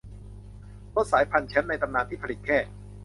รถสายพันธุ์แชมป์ในตำนานที่ผลิตแค่